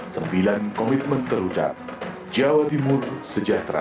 sembilan komitmen terludak jawa timur sejahtera